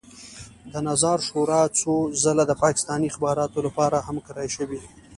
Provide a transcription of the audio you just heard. د نظار شورا څو ځله د پاکستاني استخباراتو لپاره هم کرایه شوې.